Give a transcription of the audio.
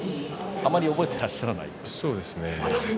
あまり覚えていらっしゃらない？